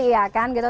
iya kan gitu